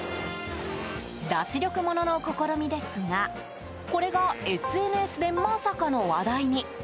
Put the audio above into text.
脱力ものの試みですがこれがＳＮＳでまさかの話題に。